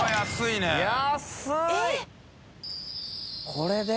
これで？